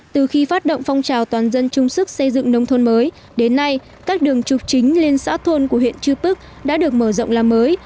từ khi phát động phong trào toàn dân trung sức xây dựng nông thôn mới đến nay các đường trục chính lên xã thôn của huyện trư bức đã được mở rộng làm mới